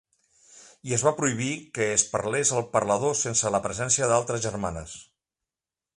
I es va prohibir que es parlés al parlador sense la presència d'altres germanes.